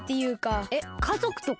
えっかぞくとか？